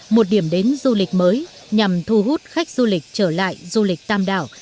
một điểm đến du lịch mới nhằm thu hút khách du lịch trở lại du lịch tam đảo